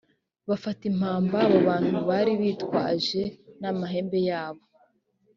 bafata impamba abo bantu bari bitwaje n amahembe yabo